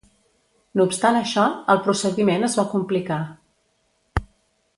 No obstant això, el procediment es va complicar.